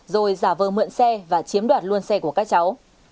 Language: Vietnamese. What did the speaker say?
rồi giả vờ mượn xe và chiếm đoạt luôn xe của các cháu